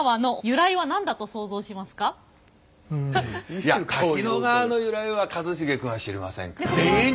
いや滝野川の由来は一茂君は知りませんから。